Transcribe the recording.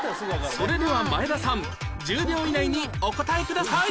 それでは前田さん１０秒以内にお答えください